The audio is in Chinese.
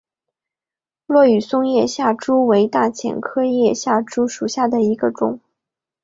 落羽松叶下珠为大戟科叶下珠属下的一个种。